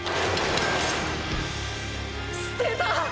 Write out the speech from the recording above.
捨てた！！